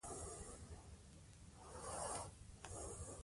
ښارونه روښانه پاتې کېږي.